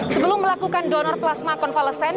sebelum melakukan donor plasma konvalesen